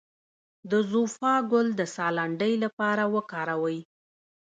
د زوفا ګل د ساه لنډۍ لپاره وکاروئ